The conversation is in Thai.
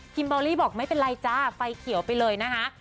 เบอร์รี่บอกไม่เป็นไรจ้าไฟเขียวไปเลยนะคะ